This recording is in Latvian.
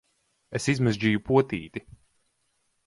Es izmežģīju potīti!